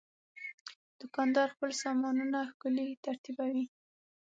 دوکاندار خپل سامانونه ښکلي ترتیبوي.